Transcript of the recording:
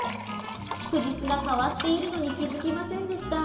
祝日が変わっているのに気付きませんでした。